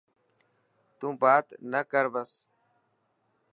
تون بات نه ڪر بس.